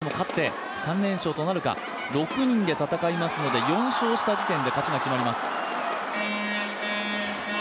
韓国に一気に５７キロ級でも勝って３連勝となるか、６人で戦いますので４勝した時点で勝ちが決まります。